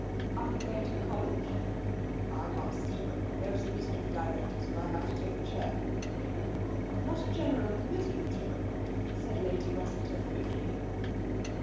" Are you going to the College ?"" I must. There is a meeting of the directors, and I have to take the chair." "Not a General Committee meeting?" said Lady Rossiter quickly.